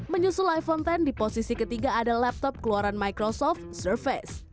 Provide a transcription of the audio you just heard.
menyusul iphone x di posisi ketiga ada laptop keluaran microsoft surface